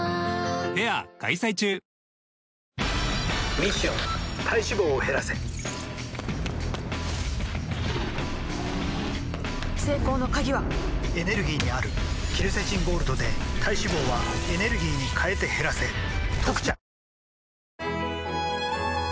ミッション体脂肪を減らせ成功の鍵はエネルギーにあるケルセチンゴールドで体脂肪はエネルギーに変えて減らせ「特茶」